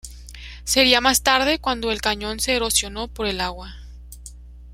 Sería más tarde cuando el cañón se erosionó por el agua.